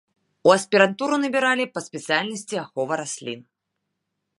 У аспірантуру набіралі па спецыяльнасці ахова раслін.